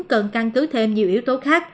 cần căn cứ thêm nhiều yếu tố khác